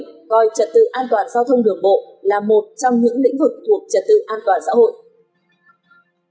coi trật tự an toàn giao thông đường bộ là một trong những lĩnh vực thuộc trật tự an toàn xã hội